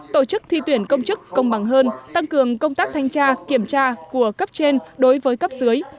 tổ chức thi tuyển công chức công bằng hơn tăng cường công tác thanh tra kiểm tra của cấp trên đối với cấp dưới